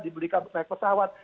dibelikan oleh pesawat